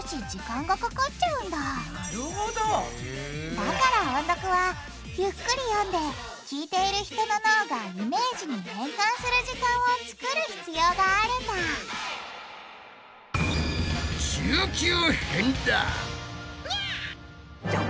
だから音読はゆっくり読んで聞いている人の脳がイメージに変換する時間をつくる必要があるんだじゃん！